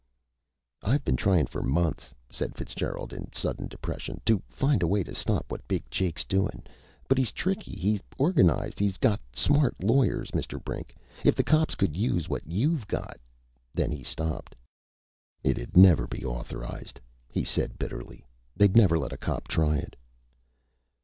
"I've been tryin' for months," said Fitzgerald in sudden desperation, "to find a way to stop what Big Jake's doin'. But he's tricky. He's organized. He's got smart lawyers. Mr. Brink, if the cops could use what you've got " Then he stopped. "It'd never be authorized," he said bitterly. "They'd never let a cop try it."